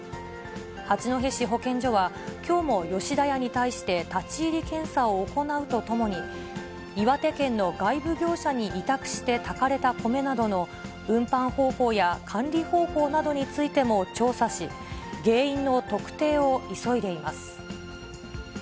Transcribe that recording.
八戸市保健所は、きょうも吉田屋に対して立ち入り検査を行うとともに、岩手県の外部業者に委託して炊かれた米などの運搬方法や管理方法などについても調査し、原因の特定を急いでいます。